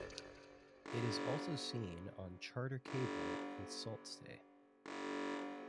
It is also seen on Charter cable in Sault Ste.